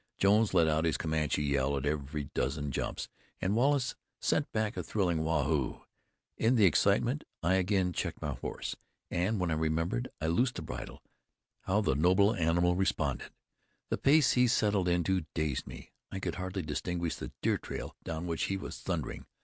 Jones let out his Comanche yell at every dozen jumps and Wallace sent back a thrilling "Waa hoo o!" In the excitement I had again checked my horse, and when Jones remembered, and loosed the bridle, how the noble animal responded! The pace he settled into dazed me; I could hardly distinguish the deer trail down which he was thundering.